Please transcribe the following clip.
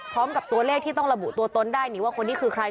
พร้อมกับตัวเลขที่ต้องระบุตัวตนได้นี่ว่าคนนี้คือใคร